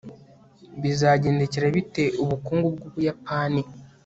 bizagendekera bite ubukungu bw'ubuyapani